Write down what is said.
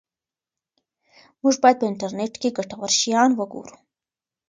موږ باید په انټرنیټ کې ګټور شیان وګورو.